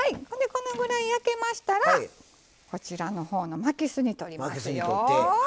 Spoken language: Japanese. このぐらい焼けましたらこちらの方の巻きすに取りますよ。